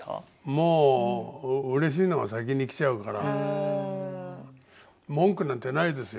もううれしいのが先に来ちゃうから文句なんてないですよ。